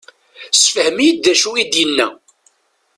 Sefhem-iyi-d d acu i d-inna.